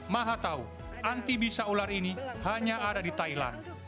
maha tahu anti bisa ular ini hanya ada di thailand